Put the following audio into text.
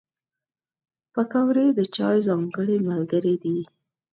پکورې د چای ځانګړی ملګری دی